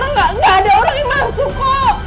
nggak ada orang yang masuk kok